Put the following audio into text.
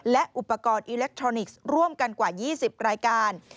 และอุปกรณ์อิเล็กทรอนิกส์ร่วมกันกว่า๒๐รายการ